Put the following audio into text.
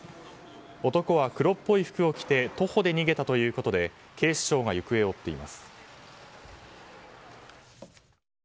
男は黒っぽい服を着て徒歩で逃げたということで警視庁が行方を追っています。